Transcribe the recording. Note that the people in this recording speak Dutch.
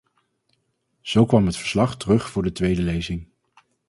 Zo kwam het verslag terug voor de tweede lezing.